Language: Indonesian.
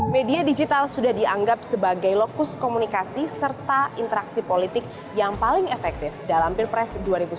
media digital sudah dianggap sebagai lokus komunikasi serta interaksi politik yang paling efektif dalam pilpres dua ribu sembilan belas